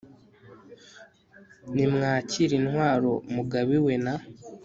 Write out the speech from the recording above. nimwakire intwaro mugabiwe na